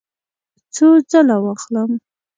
څو ځله واخلم؟